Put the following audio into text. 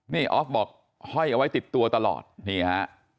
นี่ออฟบอกห้อยเอาไว้ติดตัวตลอดนี่ฮะ